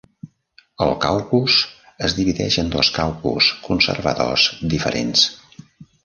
El caucus es divideix en dos caucus conservadors diferents.